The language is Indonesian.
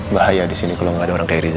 bahaya disini kalau gak ada orang kayak riza